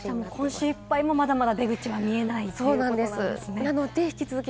今週いっぱい、まだまだ出口が見えないということですね。